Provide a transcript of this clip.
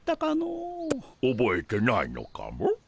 おぼえてないのかモ？